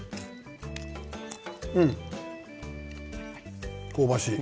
うん、香ばしい。